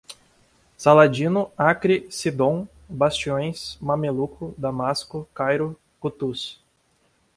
Saladino, Acre, Sidom, bastiões, mameluco, Damasco, Cairo, Cutuz